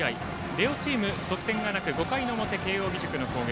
両チーム得点がなく５回の表、慶応義塾の攻撃。